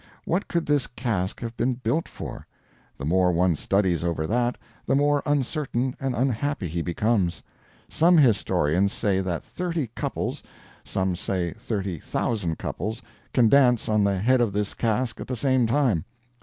What could this cask have been built for? The more one studies over that, the more uncertain and unhappy he becomes. Some historians say that thirty couples, some say thirty thousand couples, can dance on the head of this cask at the same time.